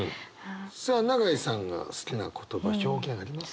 さあ永井さんが好きな言葉表現あります？